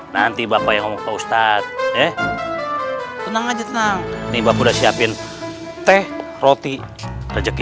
nanti bapak yang ustadz tenang aja tenang ini udah siapin teh roti rezeki